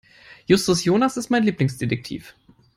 Justus Jonas ist mein Lieblingsdetektiv.